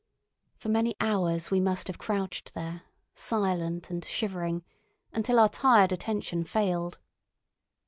For many hours we must have crouched there, silent and shivering, until our tired attention failed.